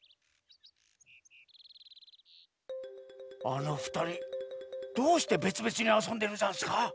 あのふたりどうしてべつべつにあそんでるざんすか？